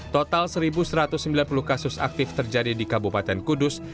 total satu satu ratus sembilan puluh kasus aktif terjadi di kabupaten kudus